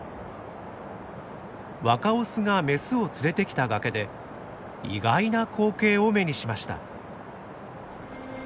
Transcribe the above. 若オスがメスを連れてきた崖で意外な光景を目にしました。